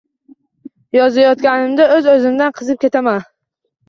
Yozayotganimda oʻz-oʻzimdan qizib ketaman